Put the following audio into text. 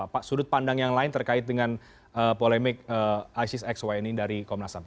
pak sudut pandang yang lain terkait dengan polemik isis xyni dari komnasam